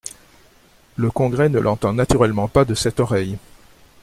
Le Congrès ne l’entend naturellement pas de cette oreille.